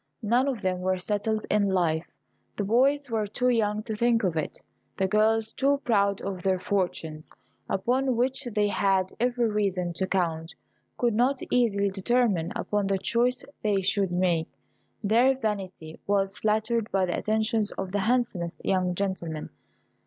None of them were settled in life: the boys were too young to think of it; the girls, too proud of their fortunes, upon which they had every reason to count, could not easily determine upon the choice they should make. Their vanity was flattered by the attentions of the handsomest young gentlemen.